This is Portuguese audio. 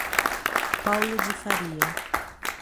Paulo de Faria